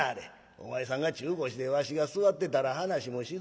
お前さんが中腰でわしが座ってたら話もしづらいで。